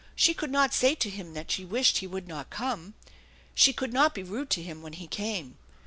She could not say to him that she wished he would not come. She could not be rude to him. when he came.